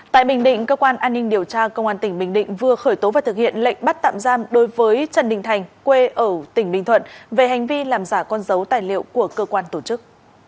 tại bình định cơ quan an ninh điều tra công an tỉnh bình định vừa khởi tố và thực hiện lệnh bắt tạm giam đối với trần đình thành quê ở tỉnh bình thuận về hành vi làm giả con dấu tài liệu của cơ quan tổ chức